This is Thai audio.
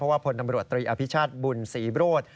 เพราะว่าพลตำรวจตรีอภิชัสบุญสีบรวด